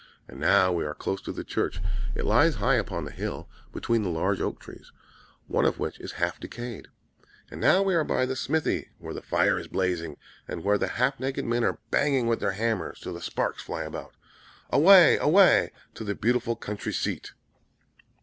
And now we are close to the church. It lies high upon the hill, between the large oak trees, one of which is half decayed. And now we are by the smithy, where the fire is blazing, and where the half naked men are banging with their hammers till the sparks fly about. Away! away! To the beautiful country seat!"